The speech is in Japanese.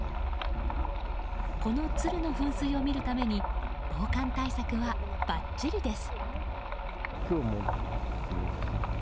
このツルの噴水を見るために防寒対策は、ばっちりです。